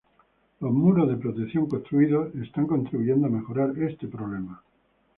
Los muros de protección construidos, están contribuyendo a mejorar este problema.